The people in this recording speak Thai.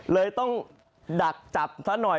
เลยต้องดักจับซะหน่อย